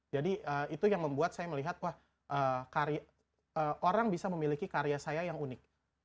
jadi itu yang membuat saya melihat orang bisa memiliki karya saya yang unik